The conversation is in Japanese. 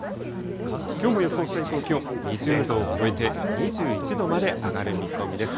きょうも予想最高気温２０度を超えて２１度まで上がる見込みです。